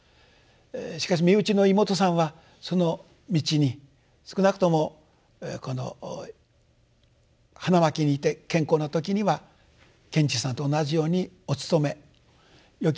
しかし身内の妹さんはその道に少なくともこの花巻にいて健康な時には賢治さんと同じようにお勤めよき理解者でもあったと。